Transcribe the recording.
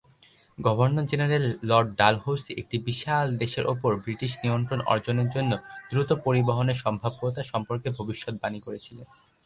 Governor general Lord Dalhousie একটি বিশাল দেশের ওপর ব্রিটিশ নিয়ন্ত্রণ অর্জনের জন্য দ্রুত পরিবহনের সম্ভাব্যতা সম্পর্কে ভবিষ্যদ্বাণী করেছিলেন।